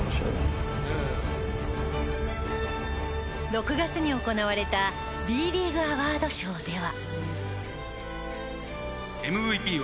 ６月に行われたＢリーグアワードショーでは。